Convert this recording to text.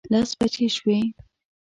لس بجې شوې.